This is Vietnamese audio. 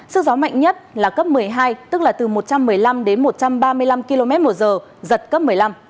sức gió mạnh nhất là cấp một mươi hai tức là từ một trăm một mươi năm đến một trăm ba mươi năm km một giờ giật cấp một mươi năm